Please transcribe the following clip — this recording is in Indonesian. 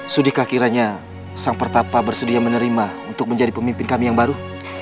sudika kiranya sang pertapa bersedia menerima untuk menjadi pemimpin kami yang baru